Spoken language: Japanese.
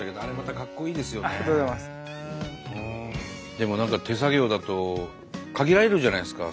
でも何か手作業だと限られるじゃないですか